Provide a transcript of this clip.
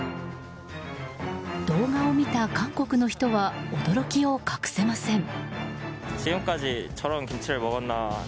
動画を見た韓国の人は驚きを隠せません。